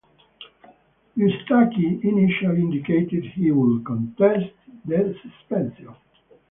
Eustachy initially indicated he would contest the suspension.